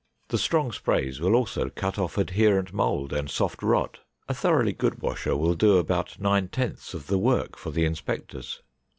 The strong sprays will also cut off adherent mold and soft rot. A thoroughly good washer will do about nine tenths of the work for the inspectors.